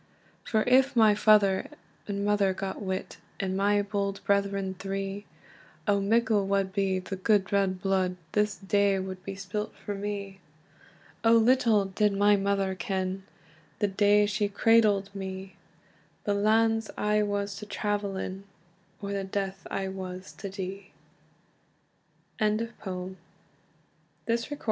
"For if my father and mother got wit, And my bold brethren three, O mickle wad be the gude red blude, This day wad be spilt for me! "O little did my mother ken, The day she cradled me, The lands I was to travel in, Or the death I was to die!" KINMONT WILLIE (Child, vol.